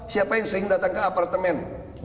siapa yang sering datang ke apartemen